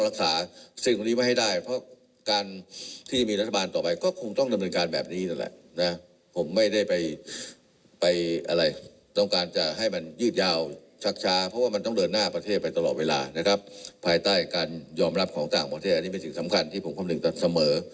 และใช้ได้การยอมรับของต่างประเทศนี่มีสิ่งสำคัญที่ผมความลึกตัดเสมอ